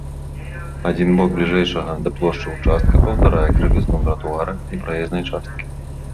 Адзін бок бліжэйшага да плошчы ўчастка паўтарае крывізну тратуара і праезнай часткі.